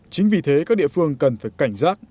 chính vì thế các địa phương cần phải cảnh giác